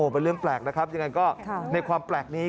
เป็นเรื่องแปลกนะครับยังไงก็ในความแปลกนี้